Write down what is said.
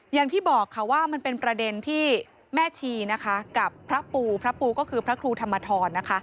อย่างที่บอกค่ะว่ามันเป็นประเด็นที่แม่ชีนะคะกับพระปูพระปูก็คือพระครูธรรมทรนะคะ